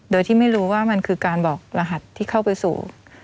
โดยที่ไม่รู้ว่ามันคือการบอกรหัสที่เข้าไปสู่